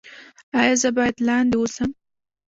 ایا زه باید لاندې اوسم؟